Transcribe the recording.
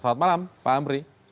selamat malam pak amri